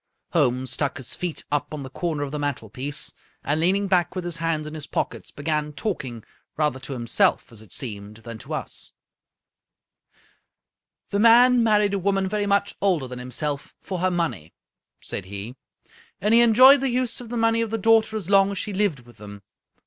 Holmes stuck his feet up on the corner of the mantelpiece, and, leaning back with his hands in his pockets, began talking, rather to himself, as it seemed, than to us. " The man married a woman very much older than him self for her money," said he, " and he enjoyed the use of the money of the daughter as long as she lived with them.